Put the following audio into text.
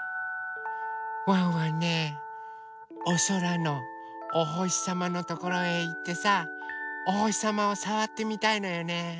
ワンワンねおそらのおほしさまのところへいってさおほしさまをさわってみたいのよね。